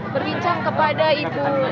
berbicara kepada itu